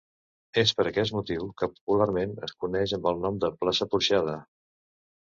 És per aquest motiu que popularment es coneix amb el nom de Plaça Porxada.